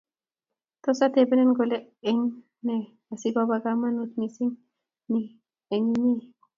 Tos, atebenin kole eng ne asigoba kamanuut missing ni eng inye